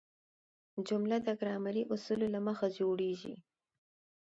جمله د ګرامري اصولو له مخه جوړیږي.